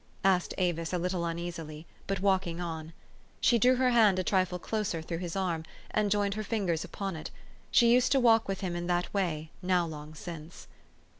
" asked Avis a little uneasily, but walking on. She drew her hand a trifle closer through his arm, and joined her fingers upon it : she used to walls with him in that way, now long since.